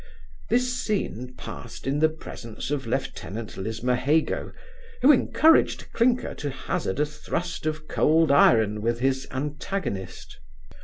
This scene passed in presence of lieutenant Lismahago, who encouraged Clinker to hazard a thrust of cold iron with his antagonist.